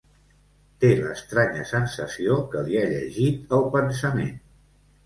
Té l'estranya sensació que li ha llegit el pensament.